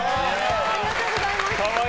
ありがとうございます。